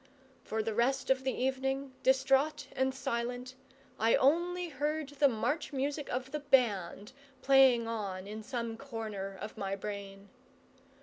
For the rest of the evening, distraught and silent, I only heard the march music of the band, playing on in some corner of my brain.